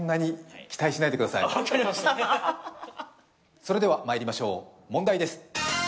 それでは、まいりましょう、問題です。